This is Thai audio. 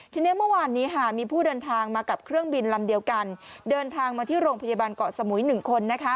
ทีนี้เมื่อวานนี้มีผู้เดินทางมากับเครื่องบินลำเดียวกันเดินทางมาที่โรงพยาบาลเกาะสมุย๑คน